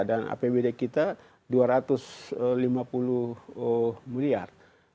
dan apbd kita dua ratus lima puluh miliar